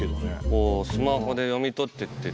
こうスマホで読み取ってって。